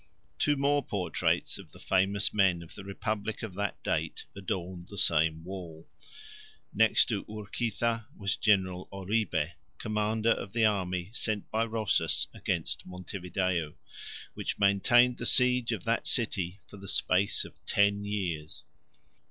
Two more portraits of the famous men of the republic of that date adorned the same wall. Next to Urquiza was General Oribe, commander of the army sent by Rosas against Montevideo, which maintained the siege of that city for the space of ten years.